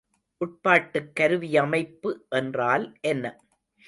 உட்பாட்டுக் கருவியமைப்பு என்றால் என்ன?